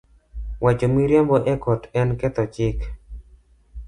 Wacho miriambo e kot en ketho chik